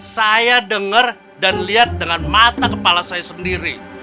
saya dengar dan lihat dengan mata kepala saya sendiri